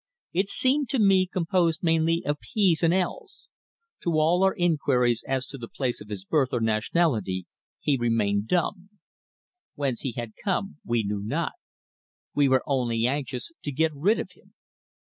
It seemed to me composed mainly of p's and l's. To all our inquiries as to the place of his birth or nationality he remained dumb. Whence he had come we knew not; we were only anxious to get rid of him.